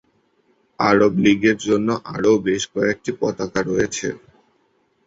আরব লীগের জন্য আরও বেশ কয়েকটি পতাকা রয়েছে।